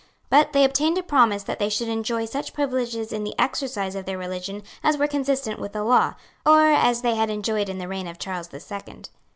But they obtained a promise that they should enjoy such privileges in the exercise of their religion as were consistent with the law, or as they had enjoyed in the reign of Charles the Second.